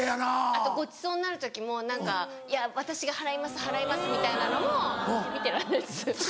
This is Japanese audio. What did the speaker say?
あとごちそうになる時も何か「いや私が払います払います」みたいなのも見てられず。